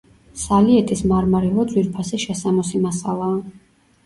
სალიეთის მარმარილო ძვირფასი შესამოსი მასალაა.